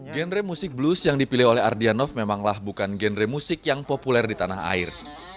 genre musik blues yang dipilih oleh ardianov memanglah bukan genre musik yang populer di tanah air